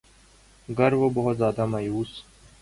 گر وہ بہت زیادہ مایوس